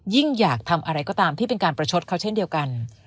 อยากทำอะไรก็ตามที่เป็นการประชดเขาเช่นเดียวกัน